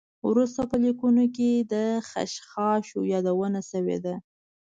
وروسته په لیکنو کې د خشخاشو یادونه شوې ده.